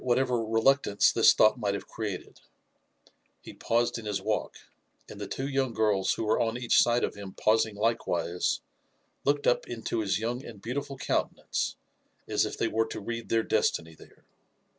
60 whatever reluctance this thoaght might have created : he paused in his walk, and the two young girls who were on each side of him pausing likewise, looked up into his young and beautiful countenance as if they were to read their destiny there.